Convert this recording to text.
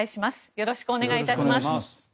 よろしくお願いします。